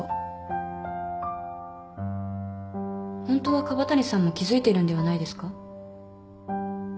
ホントは椛谷さんも気付いているんではないですか？